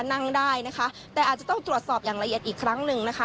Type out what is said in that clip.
นั่งได้นะคะแต่อาจจะต้องตรวจสอบอย่างละเอียดอีกครั้งหนึ่งนะคะ